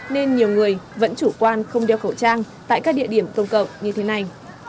nên nhiều người vẫn chủ quan không đeo khẩu trang tại các địa điểm công cộng như thế này